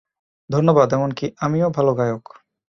ধন্যবাদ, - এমনকি আমিও ভালো গায়ক।